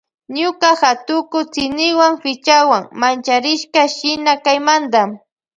Ñuka hatuku tsiniwan pichawan mancharishka shina kaymanta.